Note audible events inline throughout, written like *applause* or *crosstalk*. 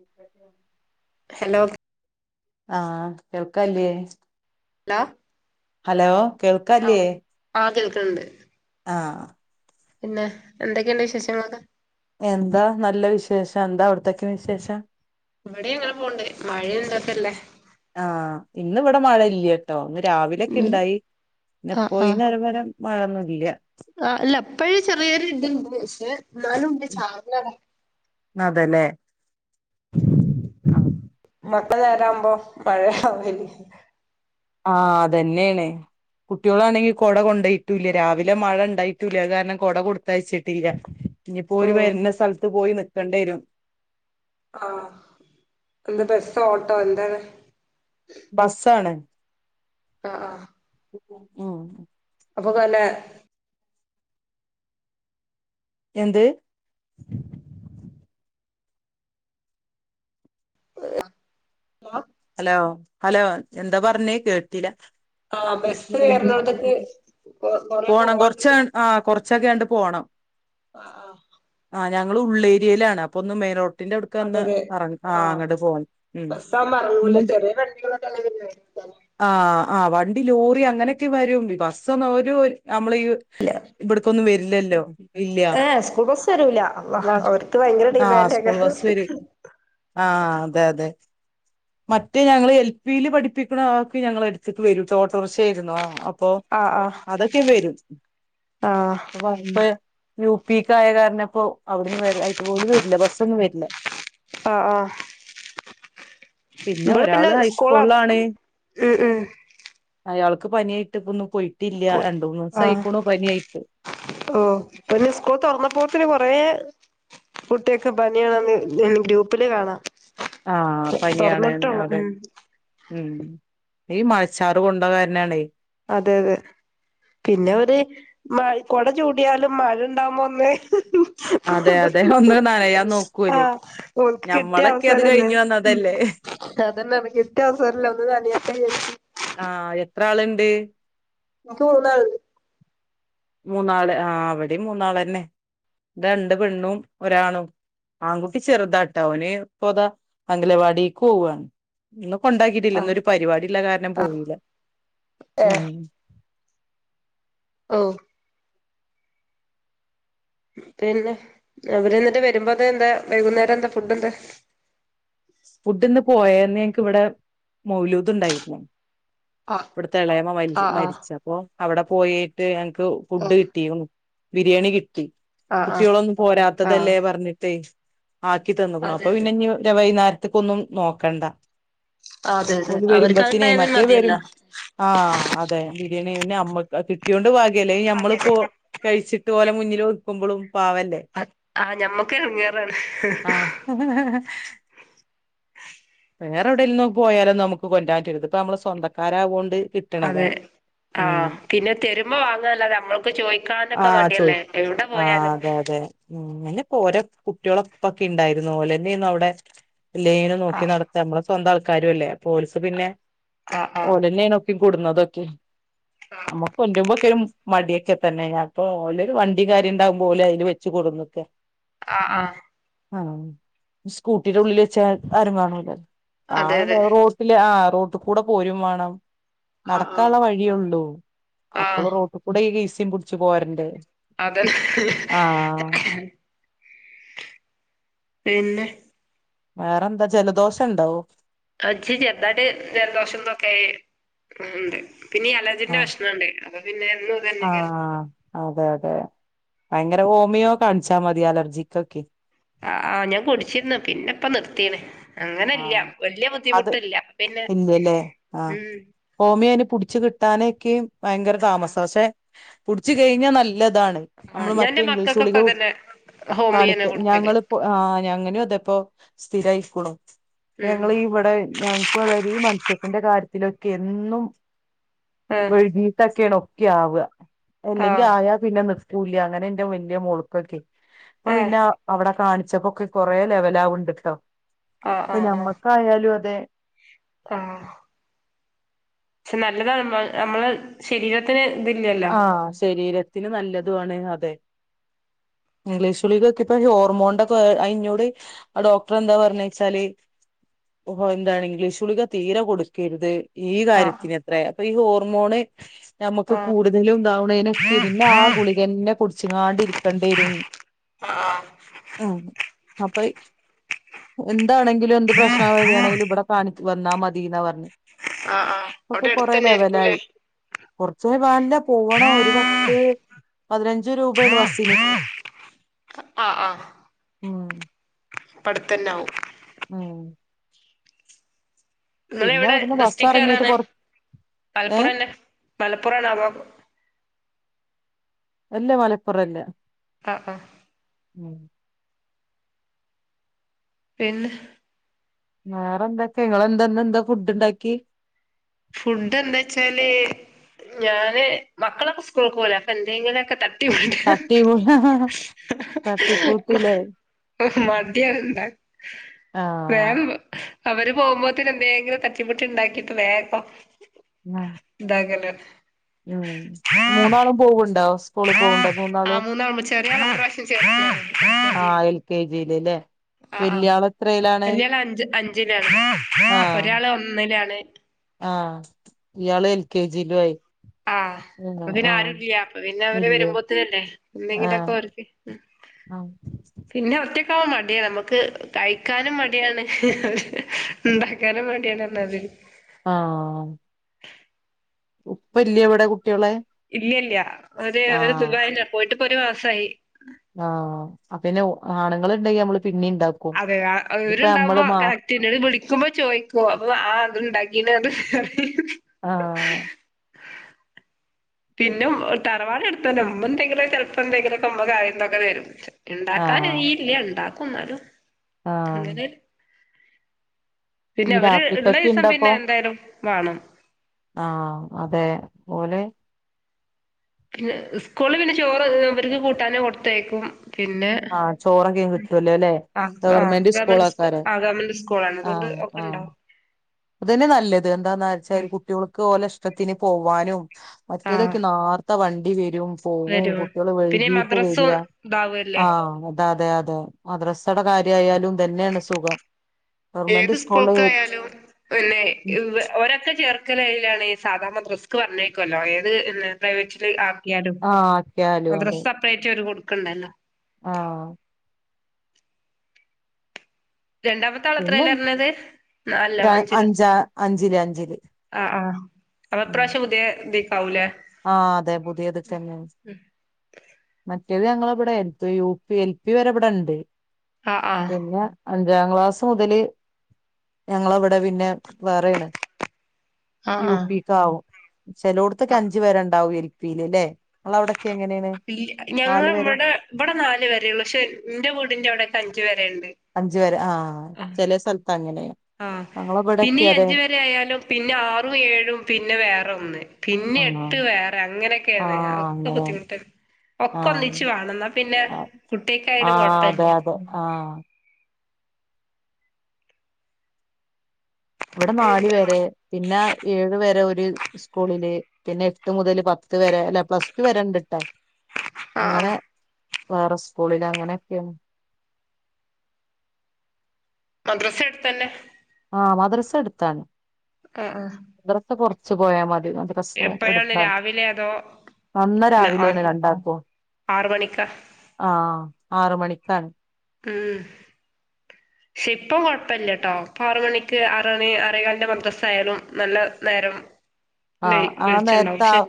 അയ്ക്കേട്ടെ hello ആഹ് കേൾക്കല്ലേ hello hello കേൾക്കാല്ലേ ക്ക്ണ്ട് ആഹ് പിന്നെ എന്തൊക്കെയ്ണ്ട് വിശേഷങ്ങളൊക്ക എന്താ നല്ല വിശേഷം എന്താ അവിടത്തേക്കെ വിശേഷം ഇവടിം അങ്ങനെ പോവ്ണ്ട് മഴയും തൊക്കല്ലേ ആ ഇന്ന് ഇവടെ മഴ ഇല്യ ട്ടോ രാവിലെക്കെ ഉം ണ്ടായി പിന്നെ പോ ഈ നേരം വെരെ മഴൊന്നുല്യ ആ ല്ല ഇപ്പഴ് ചെറിയൊരു ഇത്ണ്ട് പക്ഷേ ന്നാലും ണ്ട് ചാറലാണ് അതെല്ലേ *unintelligible* നേരാകുമ്പോ മഴ *unintelligible* ആ അതെന്നെണ് കുട്ടിയോളാണെങ്കി കൊട കൊണ്ടയിട്ടൂല്ല രാവിലെ മഴ ണ്ടായിട്ടൂല്ല അത് കാരണം കൊട കൊടുത്തയച്ചിട്ടില്ല ഞ്ഞ്പ്പോ ഓര് ഓഹ് വെര്ണ സ്ഥലത്ത് ത്തു പോയി നിക്കണ്ടേരും ആഹ് എന്താ ബസ്സോ ഓട്ടോ എന്താണ് ബസ്സാണ് ആഹ് ആഹ് ഉം അപ്പൊക്ക് വല്ല എന്ത് ഹലോ ഹലോ എന്താ പറഞ്ഞേ കേട്ടില്ല ആ ബസ് എറണാകുളത്തേക്ക് കൊ കൊറെ പോവാണ്ട് ച്ചക്കെ അണ്ട് പോണം ആഹ് ആഹ് ആഹ് ഞങ്ങള് ഉള്ളേരിയയിലാണ് അപ്പൊന്ന് മേലോ വീട്ടിന്റെ അതെ അവുട്ക്കൊന്ന് അതെ എറ ആ അങ്ങട്ട് പോണം ഊം ക്കുല ചെറിയ വണ്ടികളൊക്കെ അങ്ങനെയല്ലേ ആഹ് വണ്ടി ലോറി അങ്ങനെയൊക്കെ വരും ബസ്സന്ന് ഓരോ ഒര് നമ്മളീ ഇവിടക്കൊന്നും വെരു ഇല്ലല്ലോ ഏ സ്കൂൾ ബസ് വരൂല അള്ളാ അവർക്ക് ഭയങ്കര ആ ഡിമേന്റോക്കെ സ്കൂൾ ബസ് വരും മറ്റഹ് ഞങ്ങള് എൽ. പില് പഠിപ്പിക്ണ ആക്ക് ഞങ്ങളെട്ത്ത്ക്ക് വെരും ട്ടോ ഓട്ടൊറിക്ഷ ആയിരുന്നു പ്പൊ ആഹ് അതൊക്കെ ബേരും ആഹ് ആഹ് *unintelligible* യു. പീക്ക് ആയ കാരണം ഇപ്പോ അവരും വെര്‌ *unintelligible* ഓല് വെര്ല്ല ബസ്സൊന്നും വെര്ല്ല ആഹ് ആഹ് പിന്നെ ഇവിടെ ഒരാള് സ്കൂൾ അടു ഹൈസ്കൂൾലാണ് ഉം ഉം അയാൾ ക്ക് പനിയായിട്ട് പോ പോയി ആഹ് പനിയായിട്ട് ഓ ഇബന് സ്കൂൾ തോർന്നപ്പോത്തിന് കൊറെ പുട് *unintelligible* പനിയാണെന്ന് *unintelligible* ഗ്രൂപ്പില് കാണാ ആഹ് പനിയാണ് തോർന്ന്ട്ട് ഒളളു അതെ മ് ഉം ഈ മഴച്ചാറ് കൊണ്ടകാരനാണേ അതെ അതെ പിന്നെ ഒരു മയ് കോട ചൂടിയാലും മഴ ഇണ്ടാവുമ്പോ ഒന്ന് അതെ അതെ ഒന്ന് നനയാൻ നോക്കൊലേ ആഹ് ഓൽക്ക് കിട്ടിയ ഞമ്മളൊക്കെ അത് അവസരല്ലേ കഴിഞ് ഉം വന്നതല്ലേ അതന്നെയാണ് കിട്ടിയ അവസരല്ലേ ഒന്ന് നനയട്ടെ വിചാരിച്ച് ആഹ് ത്ര ആള്ണ്ട് ഇൻക്ക് മൂന്നാള് മൂന്നാള് ആ ഇവടിം മൂന്നാളന്നെ രണ്ട് പെണ്ണും ഒരാണും ആൺകുട്ടി ചെറ്താട്ടോ ഓന് ഇപ്പൊതാ അംഗലവാടിക്ക് പോവാണ് ഉണ്ടാക്കിട്ടില്ലന്ന ആഹ് ഒരു പരിപാടിള്ള കാരണം ആഹ് പോവില്ല ഉം ഓ പിന്നെ അവര് എന്നിട്ട് വെരുമ്പോത്തിന് എന്താ വൈകുന്നേരം എന്താ ഫുഡ് എന്താ ഫുഡ് ഇന്ന് പോയെന്ന് ഞങ്ങക്ക് ഇവിടെ മൗലൂദ് ഇണ്ടായിര്ന്ന് ആഹ് ഇവ്ട്ത്തെ എളെമ്മ മരിച്ച് ആഹ് ആഹ് മരിച്ച് അപ്പോ അവിടെ പോയിട്ട് ക്ക് ഫുഡ് കിട്ടി ബിരിയാണി കി ട്ടി ആഹ് ആഹ് ആഹ് കുട്ടികളൊന്നും ആഹ് പോരാത്തതല്ലേ പറഞ്ഞിട്ടേ ആക്കി തന്നക്ക്ണു അതെ അപ്പൊ അതെ പിന്നെ വൈകുന്നേര ത്തെക്കൊന്നും നോക്കണ്ട അതെ അതെ ഒര് അവർക്ക് വരുമ്പത്തിനേ അത്ണ്ടായാൽ മറ്റേവരും മതിയല്ലോ ആഹ് അതെ ബിരിയാണി പിന്നെ അമ്മ കിട്ടിയൊണ്ട് ബാ ഗ്യ ഞമ്മളിപ്പോ കഴിച്ചിട്ട് ഓലെ മു *unintelligible* ക്കുമ്പോളും അ ആഹ് ഞമ്മക്ക് ഇടങ്ങേറാണ് ആഹ് വേറെ എവിടെൽന്നോ പോയലും നമുക്ക് കൊണ്ട്രാൻ പറ്റ്ല ഇത്പ്പൊ നമ്മളെ സ്വന്തക്കാരാവൊണ്ട് അതെ ആഹ് പിന്നെ തെരുമ്പോ വാങ്ങല്ലാതെ നമ്മൾക്ക് ചോയ്ക്കാനൊക്കെ ആഹ് ചോയ് മടിയല്ലേ എവിടെ ആഹ് പോയാലും അതെ അതെ ഉം അന്നെപ്പോ ഓരോ കുട്ടികളൊ ഒപ്പൊക്കെണ്ടായിരുന്നു ഓല്ന്നെയിരുന്ന് അവിടെ ലൈന് നോക്കി ആഹ് നട നമ്മളെ സ്വന്തം ആൾക്കാരും അല്ലേ അപ്പോ ഒൽക്ക് പിന്നെ ആഹ് ആഹ് ഓടനെ അ ക്കെ കെടുന്നതൊക്കെ നമുക്ക് കെണ്ടരുബോക്കരം മടിയൊക്കെ തന്നെ ഞാൻ അപ്പോ ഒൺലൈനി വാങ്ങി ഇ കാര്യണ്ടാവുമ്പോ ഓല് അതില് വെച്ച കൊടുന്നു ഒക്കെ ആഹ് ആഹ് ആഹാ സ്കൂട്ടീന്റെ ഉള്ളിൽ വെച്ചാൽ ആരും കാണൂല അതെ അതെ ആണ റോട്ടില് ആ റോട്ടുകൂടെ പോരും വേണം ആഹ് ആഹ് നടക്കാനുള്ള വഴിയള്ളൂ അപ്പോൾ ആഹ് റോട്ടുകൂടെ ട്ടിനെ പുട്ച്ച് പോരണ്ടേ അതെ ആഹ് *unintelligible* പിന്നെ വേറെ എന്താ ജലദോഷ ഉണ്ടോ ആ ഇച് ചെറുതായിട്ട് ജലദോഷംന്തൊക്കെ ഉണ്ട് പിന്നെ ഈ അലർജിന്റെ പ്രശ്നംഇണ്ട് അപ്പൊ പിന്നെഎന്നും ഇത് തന്നെയ്ക്കാരം ആഹ് അതെ അതെ ഭയങ്കര ഹോമിയോ കാണിച്ചാല് മതി അലർജിക്കൊക്കെ ആ ആ ഞാൻ കുടിച്ചിരുന്ന പിന്നെ ഇപ്പ നിർത്തീണ് ആ അത് പിന്നെ ഇല്ലല്ലെ ആഹ ഉം ഹോമിയോന് പിടിച്ചു കിട്ടാന് കെ *inaudible* ഭയങ്കര ആ താമസാ പക്ഷെ പുട്ച്ച് കഴിഞ്ഞാ നല്ല ല്ലതാണ് ആ നമ്മള് ഞാൻ മറ്റേ എന്റെ ഇംഗ്ലീഷ് മക്കൾക്കൊക്കെ ഗുളിക അതന്നെ കാണി ഹോമിയോന്നെ കൊടുക്കല് ഞങ്ങളിപ്പോ ഞാനും അതെ ഇപ്പൊ സ്ഥിരായിരികുണ ഉം ഞങ്ങള് ഇവിടെ ഞങ്ങൾക്ക് അതായ ഈ മത്സ്യത്തിന്റെ കാര്യത്തി ഇതിലൊക്കെ എന്നും ആ വൈകിട്ട് ഒക്കെ ആണോ യാവ ആ അല്ലെങ്കി ആയാ പിന്നെ നിർ ഉപ്പുല്യ ങ്ങനെ ഇന്റെ വല്യ മോൾക്കൊക്കെ അപ്പൊ ഏ പിന്നെ അവിടെ കാണി പച്ചപ്പൊക്കെ കൊറെ ലെവലാവ്ണ്ട്ട്ടാ ആ ഇപ്പൊ ആ ആ നമ്മൾക്കായാലും അതെ ആ പക്ഷെ നല്ലതാണ് നമ്മള ശരീരത്തിന് ഇതില്ലല്ലോ ആ ശരീരത്തിന് നല്ലതും ആണ് അതെ ഇംഗ്ലീഷ് ഗുളിക ഒക്കെ ഇപ്പ ഹോർമോണ്ന്റെ ഒക്കെ അത്ഇന്നോട് ഡോക്ടർ എന്താ പറഞ്ഞ വച്ചാല് ഇംഗ്ലീഷ് ഗുളിക തീരെ കൊടുക്കരുത് ഈ ആ കാര്യത്തിന് എത്രയാ ഈ ഹോർമോൺ നമ്മു ആ കൂടുതലും ഇ താവണേനൊക്കെ പിന്നെ ആ ഗുളികന്നെ കുടിച്ചുങ്ങാണ്ടിരിക്കേണ്ടി വരും ഉ അപ്പ എ എതണെങ്കിലും എന്ത് പ്രശനം വരികണങ്കിലും ഇബടെ കാണി വന്നാ മതിന്നാ പറഞ് ആഹ് ആഹ് അവിടെ എടുത്ത തന്നെ ആയിരിക്കും ല്ലെ അല്ല പോവണം ഒരു പത്ത് പതിനഞ്ച് രൂപയാണ് ബസിന് ആ ആ ഉം അതെനെവും ഉം നിങ്ങൾ പിന്നെ ഇവിടെ അവിടുന്ന് ബസ് ഡിസ്ട്രിക്റ്റ് ഇറങ്ങിയിട്ട് ഏതാണ് കൊറ ഏ മലപ്പുറംന്നെ മലപ്പുറണാ തോ അല്ലേ മലപ്പുറല്ല അഹ് അഹ് ഉം പിന്ന വേറെ എന്തൊക്കെ നിങ്ങെന്തന്ന എന്താ ഫുഡ് ഇണ്ടാക്കി ഫുഡ് എന്താ വെച്ചാല് ഞാന് മക്കളൊക്കെ സ്കൂളക്ക് പോവൂലെ അപ്പൊ എന്തെങ്കിലൊക്കെ തട്ടി തട്ടി തട്ടി കൂത്തില്ലേ ഓ മതിയ എന്താ ആഹ് അവര് പോകുമ്പോത്തിന് എന്തെങ്കിലും തട്ടിമുട്ടി ഉണ്ടാക്കിയിട്ട് വേക ആ താകല്ല ഉം മൂന്നാളും പോവ്ണ്ടോ? സ്കൂളിൽ പോവ്ണ്ടോ ആഹ് മൂന്നാളും മൂന്നാവുമ്പോ ചെറിയ പ്രാശ്യം ചേ തീല്ല്ലേ ആഹ് ആഹ് വല്യാള് അഞ്ച് അഞ്ചിലാണ് ആഹ് ഒരാള് ഒന്നിലാണ് ആഹ് ഇയാള് എൽ കെ ജിലായി ആഹ് അപ്പപിന്നെ ആരുല്ല അപ്പൊ പിന്നെ അവര് ഇല്ലേ വരുമ്പോത്തനല്ലേ എന്തെങ്കിലൊക്കെ ആഹ് ഓർക്ക് ആഹ് പിന്നെ ഒറ്റ ക്കാവു മടിയാണ് നമുക്ക് കഴിക്കാനും മടിയാണ് ഉണ്ടാക്കാനും മടിയാണ് എന്നതില് ആഹ് ഉപ്പല്ല വിടെ കു ഇല്ലല്ല അര് ആഹ് സുഖാ പോയിട്ട് പ്പൊര് മാസായി ആഹ് പിന്നെ ആണുങ്ങൾ ഉണ്ടെങ്കി നമ്മള് പിന്നീ അതെ അവവര്ണ്ടാവുമ്പോ കറക്ട് വിളിക്കുമ്പോ ചോയ്ക്കോ അപ്പൊ ആഹ് അത്ണ്ടാക്കീ അത് പറയും ആഹ് പിന്നെ തറവാട് അടുത്തന്നെ ഇമ്മ എന്തെങ്കിലും ചെലപ്പം എന്തെങ്കിലൊക്കെ ആയിരംരൂപക്കെ തരും ആഹ് ഇണ്ടാക്കാനറിയില്ല ഇണ്ടാ ക്കും ന്നാലും ആഹ് പിന്നെ ഈ അവര് ഇള്ള ദിവസം പിന്നെ രാത്രിക്കൊക്കെണ്ടപ്പം എന്തായാലും വാണം ആഹ് അതെ പോലെ പിന്നെ സ്കൂള്ല് പിന്നെ ഇവര്ക്ക് കൂട്ടാന് കൊടുത്തയക്കും പിന്നെ ആഹ് ചോറൊക്കെ കിട്ടുവല്ലോ അല്ലെ അഹ് ആഹ് ഗവൺമെന്റ് *unintelligible* സ്കൂ സ്കൂളാക്കാര് ഗവൺമെന്റ് സ്കൂളാണ് അത് തന്നെയാ നല്ലത് എന്താന്ന് വെച്ചാൽ കുട്ടികൾക്ക് പോലെ ഇഷ്- ഇഷ്ടത്തിന് പോവാനും- ആഹ് മറ്റേതൊക്കെ നാ- വണ്ടി വരും പോകും വരും കുട്ടികൾ പിന്നെ വൈകീട്ട് വര മദ്രസും ഇതാവല്ലേ ത അതെ മദ്രസയുടെ കാര്യയാലും ഇതന്നെയാണ് സുഖം ഗവൺമെന്റ് ഏത് സ്കൂളില്- സ്കൂൾക്കായാലും പിന്നെ ഓരൊക്കെ- ചേർക്കല് എതിലാണ് സാധാരണ റിസ്ക് പറഞ്ഞേക്കുവല്ലോ ഏത് പ്രൈവറ്റില് ആ- ക്കിയാലും ആഹ് ആക്കിയാലും മദ്രസ അതെ സെപ്പറേറ്റ് അവര് കൊടു ക്കണ്ടല്ലോ ആഹ് രണ്ടാമത്തെ പിന്നെ ആളത്രേല്ലാ ഇരുന്നത് നാലിലോ അഞ്ചിലോ അഞ്ചാ അഞ്ചില് അഞ്ചില് ആഹ് ആഹ് ഉം അടുത്തപ്രാവശ്യം പുതിയ ഇതി പൗല *unintelligible* ആഹ് അതെ പുതിയതി തന്നെയാണ് മറ്റേത് ഞങ്ങളവിടെ എൽപി യു പി എൽപി വരെ ഇവിടെ ഇണ്ട് ആഹ് ആഹ് പിന്നെ *unintelligible* ഏഴാം ക്ലാസ്സ് മുതല് ഞങ്ങളവിടെ പിന്നെ- വേറെയാണ് ആഹ് ആഹ് യുപി ക്കാവും ചെലോടുത്തൊക്കെ ആഹ് അഞ്ച് വരെണ്ടാവും എൽപീലല്ലേ ഞങ്ങ ഇവിടെ ഇവിടെ നാല് വരെ ഉള്ളു പക്ഷെ എന്റെ വീടിന്റെ അവിടെ അഞ്ച് വരെ അഞ്ച് വരെ ആഹ് ചെല സ്ഥലത്ത് അങ്ങനെയാ ആഹ് പിന്നെ ഞങ്ങളിവിടൊക്കെ ഈ അതെ അഞ്ച് വരെ ആയാലും പിന്നെ ആറും ഏഴും പിന്നെ വേറെ ഒന്ന് പിന്നെ ആഹ് എട്ട് വേറെ അങ്ങനെയക്കെ ആഹ് ഒക്കെ അങ്ങനെ ബുദ്ധിമുട്ട് ഒക്കെ ആഹ് ഒന്നിച്ചു വേണം എന്നാ പിന്നെ ആഹ് കുട്ടിയക്കായാലും അതെ കൊഴപ്പല്യ അതെ ആഹ് ഇവിടെ നാലു വരെ പിന്നെ ഏഴു വരെ ഒരു- സ്കൂളില് പിന്നെ എട്ട് മുതല് പത്ത് വരെ അല്ല പ്ലസ് ടു വരെ ഉണ്ടുട്ടോ ആഹ് അങ്ങനെ ആഹ് വേറെ സ്കൂളിൽ അങ്ങനെയൊക്കെയ മദ്രസ അടുത്തന്നെ ആഹ് മദ്രസ അടുത്താണ് ആഹ് ആഹ് കൊറച്ചു പോയ മത് മദ്രസ എപ്പോഴാണ് അടുത്താണ് രാവിലെ അതോ അന്ന് പിന്നെ രാവിലെയാണ് ആറ് രണ്ടാക്കും ആറ് മണിക്കാ ആഹ ആറ് മണിക്കാണ് ഉം പക്ഷെ ഇപ്പം കൊഴപ്പില്ലട്ടോ ഇപ്പൊ ആറ് മണിക്ക് ആറ് മണി ആറേകാലിന്റെ മദ്രസ ആയാലും നല്ല നേരം വെ ആഹ് ആ വെളിച്ചണ്ടാവും നേരത്തെ ആ പക്ഷെ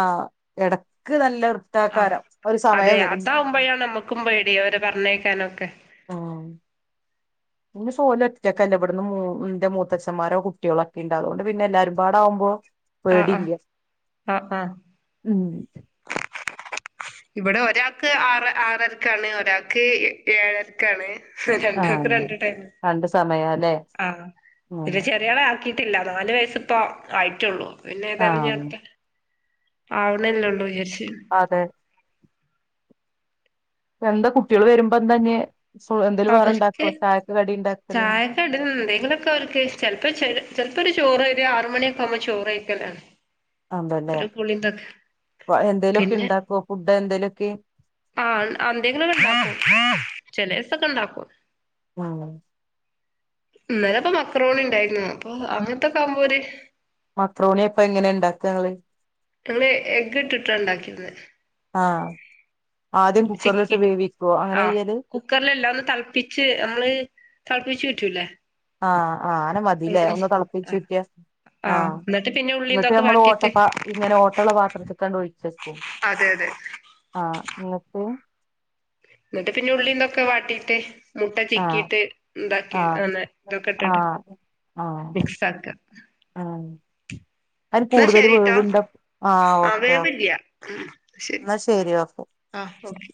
ആഹ് കെ നല്ല *unintelligible* ഒരു സമയം വരും നോക്കുമ്പോഴെ അവരെ പറഞ്ഞയക്കാനൊക്കെ ആ പിന്നെ സോലറ്റൊക്കെല്ല ഇവിടന്ന് എന്റെ മൂത്തച്ഛന്മാരുടെ കുട്ടികളൊക്കെ ഉണ്ട് അതുകൊണ്ട് പിന്നെ എല്ലാരും പാടാവുമ്പോ ആഹ് പേടി ആഹ് ഇല്ല്യ ആഹ് ആഹ് ഉം ഇവിടെ ഒരാൾക്ക് ആറ് ആറരക്കാണ് ഒരാൾക്ക് ഏഴരക്കാണ് രണ്ടാൾക്ക് ആണോ രണ്ട് ടൈം രണ്ട് സമയാ ആഹ് പിന്നെ ചെറിയാളെ ആക്കി ഇല്ല നാല് വയസ്സിപ്പോ ആയിട്ടുള്ളൂ പിന്നെ ആഹ് തെരഞ്ഞെടു ആവണല്ലേള്ളൂ വിചാരിച്ച് അതെ എന്താ കുട്ടികള് വരുമ്പോ എന്താ ഇനി അവർക്ക് ഇണ്ടാക്കല്ണ്ട് ചായക്കടെന്ന് എന്തെങ്കിലുമൊക്കെ അവർക്ക് ചെലപ്പോ ചെ ഇപ്പൊ ഒരു ചോറ് ഒരു ആറ് മണിയക്കെ ആവുമ്പോ ചോറ് കയ്യിക്കലാണ് ആണല്ലെ എന്തേലുമൊക്കെ ഉണ്ടാക്കോ ഫുഡ് എന്തേലും ഓക്കെ ആ എന്തെങ്കിലൊക്ക ഉണ്ടാക്കും ചെലസൊക്കെ ഉണ്ടാക്കും ഉം ഇന്നല ഇപ്പൊ മക്രോണി ഇണ്ടായിരുന്നു അപ്പൊ അങ്ങനത്തൊക്കെ ആവുമ്പോര് മക്രോണി ഇപ്പൊ എങ്ങനെ ഇണ്ടാക്ക നിങ്ങള് അങ്ങനെ എഗ് ഇട്ടിട്ടാ ഉണ്ടാക്കിത് ആ ചികിട്ട് ആഹ് ചെയ്യല് കുക്കറിൽ അല്ല ഒന്ന് തെൾപ്പിച്ച് നമ്മള് തെൾപ്പിച്ചു പറ്റൂലേ ആ ആ ആനെ മതില്ലേ ഒന്ന് ആഹ് തെളപ്പിച്ചൂറ്റിയ ആഹ് എന്നിട്ട് പിന്നെ ഉള്ളി ങ്ങട്ട് ഇതൊക്കെ നമ്മള് വാട്ടിയിട്ട് ഓട്ടപ്പാ ഇങ്ങനെ ഓട്ടള്ള പാത്രത്ത്ക്കാണ്ട് ഒഴിച്ചെക്കും അതെ അതെ ആഹ് ന്നിട്ട് ന്ന്ട്ട് പിന്നെ ഉള്ളിംതൊക്കെ വാട്ടീട്ട് മുട്ട ആഹ് ചിക്കിയിട്ട് ഇണ്ടാക്കി ആഹ് ആ ഇതൊക്കെ ഇട്ടിട്ട് ആഹ് ആഹ് മിക്സ് ആക്ക്അ ആഹ് അതിന് കൂടുതൽ വേവ്ണ്ട് ആ ഓക്കെ ഓക്കേ ന്നാ ശരി ഓക്കെ ആഹ് ഓക്കെ